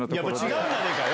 違うじゃねえかよ！